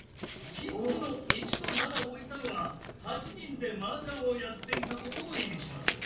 ピンズの１と７を置いたのは８人でマージャンをやっていたことを意味します。